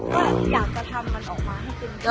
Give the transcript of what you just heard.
ก็อยากจะทำมันออกมาให้เป็นเยอะ